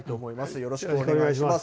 よろしくお願いします。